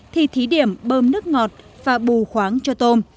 thì thí điểm bơm nước ngọt và bù khoáng cho tôm